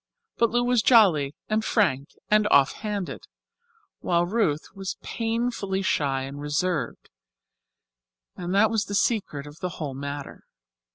But Lou was jolly and frank and offhanded, while Ruth was painfully shy and reserved, and that was the secret of the whole matter.